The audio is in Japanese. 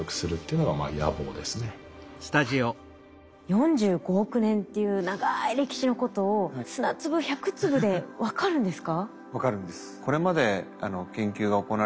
４５億年っていう長い歴史のことを砂粒１００粒で分かるんですか？